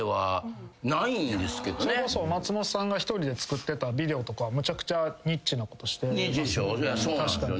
松本さんが１人で作ってたビデオとかむちゃくちゃニッチなことしてますもんね。